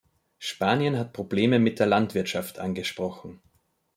Spanien hat Probleme mit der Landwirtschaft angesprochen.